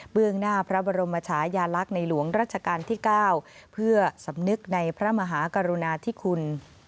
หน้าพระบรมชายาลักษณ์ในหลวงรัชกาลที่๙เพื่อสำนึกในพระมหากรุณาธิคุณ